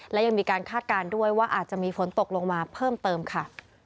และยังมีการคาดการณ์ด้วยว่าอาจจะมีฝนตกลงมาเพิ่มเติมค่ะ